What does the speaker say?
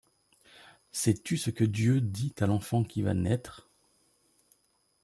Sais-tu ce que Dieu dit à l'enfant qui va naître ?